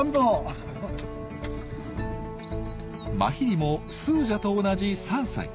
マヒリもスージャと同じ３歳。